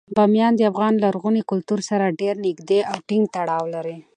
بامیان د افغان لرغوني کلتور سره ډیر نږدې او ټینګ تړاو لري.